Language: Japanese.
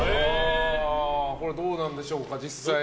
これ、どうなんでしょうか、実際。